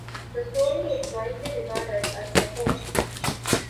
The story is widely regarded as a hoax.